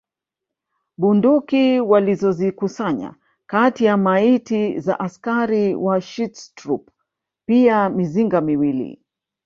Bunduki walizozikusanya kati ya maiti za askari wa Schutztruppe pia mizinga miwili